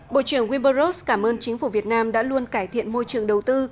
bộ trưởng wimber rose cảm ơn chính phủ việt nam đã luôn cải thiện môi trường đầu tư